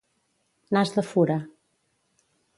Nas de fura.